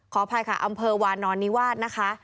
อภัยค่ะอำเภอวานอนนิวาสนะคะ